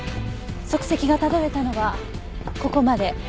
足跡がたどれたのはここまで。